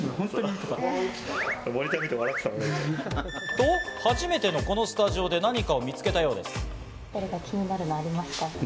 と、初めてのこのスタジオで何かを見つけたようです。